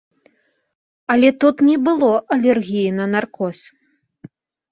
Але тут не было алергіі на наркоз.